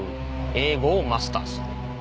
「英語をマスターする」。